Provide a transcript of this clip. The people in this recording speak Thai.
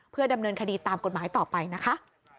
เพื่อดำเนินคดีตามกฎหมายต่อไปนะคะ